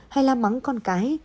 hay la mắng con cái